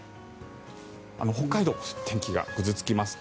北海道、天気がぐずつきます。